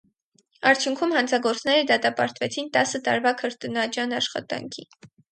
Արդյունքում, հանցագործները դատապարտվեցին տասը տարվա քրտնաջան աշխատանքի։